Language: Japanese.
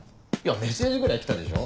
メッセージぐらい来たでしょ。